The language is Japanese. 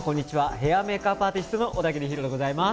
ヘア＆メイクアップアーティストの小田切ヒロでございます。